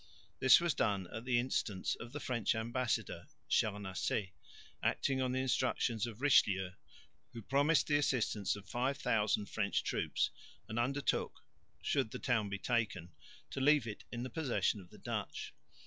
This was done at the instance of the French ambassador, Charnacé, acting on the instructions of Richelieu, who promised the assistance of 5000 French troops and undertook, should the town be taken, to leave it in the possession of the Dutch.